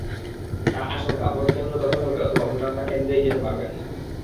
তাঁর আশঙ্কা, ভোটকেন্দ্র দখল হবে অথবা ভোটাররা কেন্দ্রেই যেতে পারবেন না।